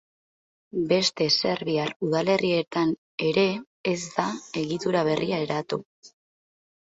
Beste serbiar udalerrietan ere ez da egitura berria eratu.